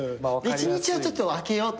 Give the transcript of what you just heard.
「１日はちょっと空けよう」と。